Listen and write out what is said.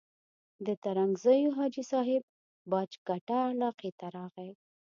د ترنګزیو حاجي صاحب باج کټه علاقې ته راغی.